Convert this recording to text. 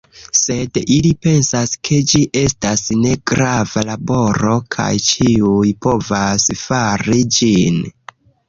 Sed ili pensas ke ĝi estas ne grava laboro kaj ĉiuj povas fari ĝin.